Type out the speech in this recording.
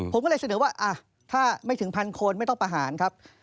ผมก็เลยเสนอว่าถ้าไม่ถึงพันคนไม่ต้องประหารครับ